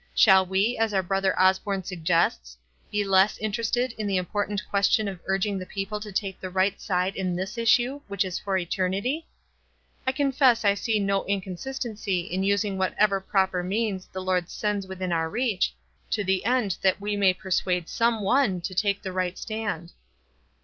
Shall we, as our Brother Osborne suggests, be less interested in the important question of urging the people to take the right side in this issue, which is for eternity? I confess I see no inconsistency in using whatever proper means the Lord sends within our reach, to the end that we may persuade some one to take the right stand."